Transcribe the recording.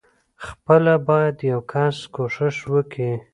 خپله بايد يو کس کوښښ وکي.